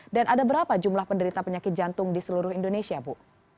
dan ada berapa jumlah penderita penyakit jantung di seluruh indonesia ibu